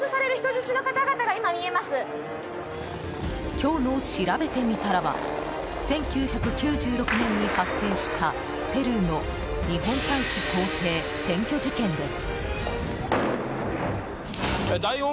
今日のしらべてみたらは１９９６年に発生したペルーの日本大使公邸占拠事件です。